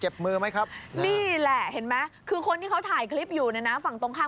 มือไหมครับนี่แหละเห็นไหมคือคนที่เขาถ่ายคลิปอยู่เนี่ยนะฝั่งตรงข้าม